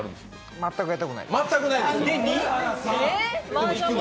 全くやったことないです。